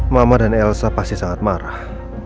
mama dan elsa pasti sangat marah